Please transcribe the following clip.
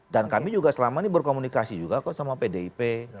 dan kami juga selama ini berkomunikasi juga kok sama pdip